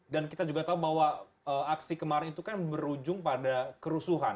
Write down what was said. kita juga tahu bahwa aksi kemarin itu kan berujung pada kerusuhan